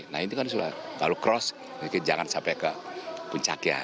nah ini kan sudah kalau cross jangan sampai ke puncak ya